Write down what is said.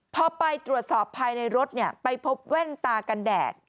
พอไปตรวจสอบภายในรถไปพบแว่นตากันแดด